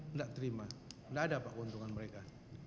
tidak terima nggak ada pak keuntungan mereka